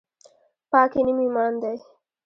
پاکي نیم ایمان دی